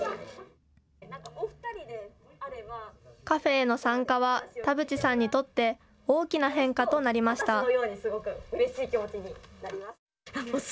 カフェへの参加は田渕さんにとって大きな変化となりました。